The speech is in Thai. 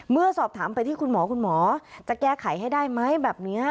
เมื่อสอบถามไปที่คุณหมอคุณหมอจะแก้ไขให้ได้ไหมแบบนี้